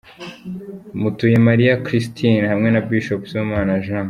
Mutuyemariya Christine hamwe na Bishop Sibomana Jean.